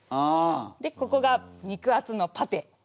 でここが肉厚のパテ。